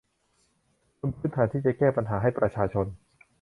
บนพื้นฐานที่จะแก้ปัญหาให้ประชาชน